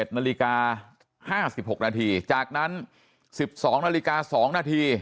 ๑นาฬิกา๕๖นาทีจากนั้น๑๒นาฬิกา๒นาที